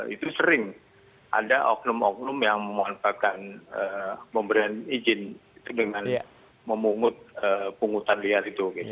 itu sering ada oknum oknum yang memanfaatkan memberikan izin dengan memungut pungutan liar itu